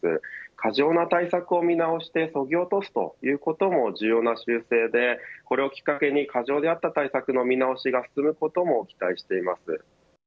過剰な対策を見直してそぎ落とすということも重要な修正で、これをきっかけに過剰だった対策の見直しが進むことも期待しています。